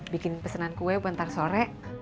bikin pesanan kue bentar sore